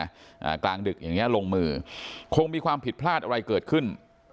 อ่ากลางดึกอย่างเงี้ลงมือคงมีความผิดพลาดอะไรเกิดขึ้น